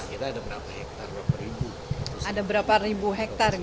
nah kita ada berapa hektare berapa ribu